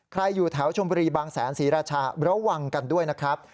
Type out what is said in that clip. อยู่แถวชมบุรีบางแสนศรีราชาระวังกันด้วยนะครับ